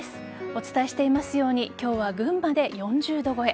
お伝えしていますように今日は群馬で４０度超え。